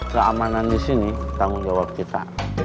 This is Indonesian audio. keamanan di sini tanggung jawab kita